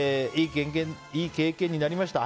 いい経験になりました。